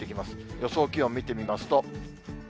予想気温見てみますと。